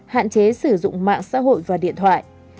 hạn chế sử dụng mạng xã hội và điện thoại